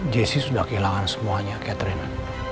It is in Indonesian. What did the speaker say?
jesse sudah kehilangan semuanya catherine